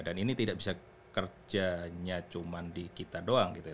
dan ini tidak bisa kerjanya cuman di kita doang gitu ya